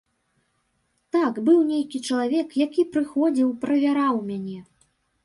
Так, быў нейкі чалавек, які прыходзіў, правяраў мяне.